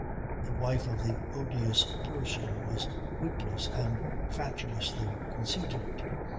The wife of the "odious person" was witless and fatuously conceited.